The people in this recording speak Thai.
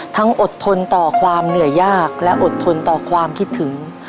อดทนต่อความเหนื่อยยากและอดทนต่อความคิดถึง